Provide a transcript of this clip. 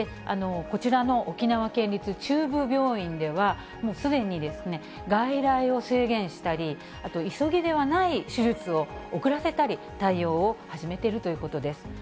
こちらの沖縄県立中部病院では、もうすでに外来を制限したり、急ぎではない手術を遅らせたり、対応を始めているということです。